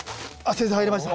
先生入りました。